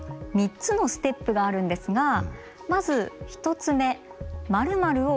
３つのステップがあるんですがまず１つ目「○○を考えてみよう！」。